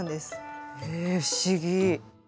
ええ不思議。